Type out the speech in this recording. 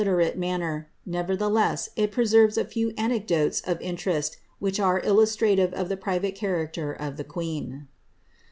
rate manner; nevertheless, it preserves a few anecdotes ofinterett which are illustrative of the private character of the queen.